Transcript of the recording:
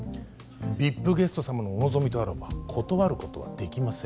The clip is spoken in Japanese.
ＶＩＰゲスト様のお望みとあらば断ることはできません